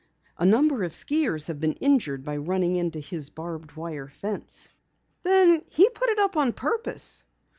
A number of skiers have been injured by running into his barbed wire fence." "Then he put it up on purpose?"